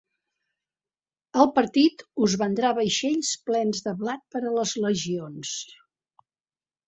El partit us vendrà vaixells plens de blat per a les legions.